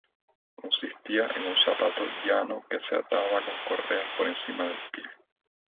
Consistía en un zapato llano que se ataba con correas por encima del pie.